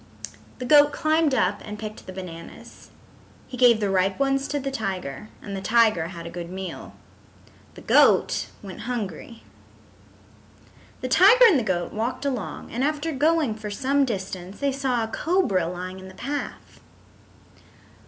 The goat climbed up and picked the bananas. He gave the ripe ones to the tiger and the tiger had a good meal. The goat went hungry. The tiger and the goat walked along and after going for some distance they saw a cobra lying in the path.